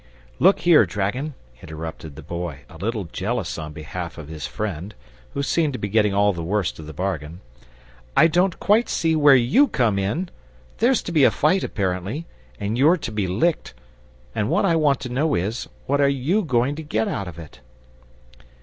"Look here, dragon," interrupted the Boy, a little jealous on behalf of his friend, who seemed to be getting all the worst of the bargain: "I don't quite see where YOU come in! There's to be a fight, apparently, and you're to be licked; and what I want to know is, what are YOU going to get out of it?"